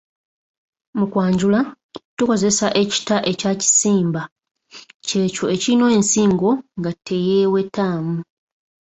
Mu kwanjula tukozesa ekita ekya “kisimba” , kyekyo ekirina ensingo nga teyeewetamu.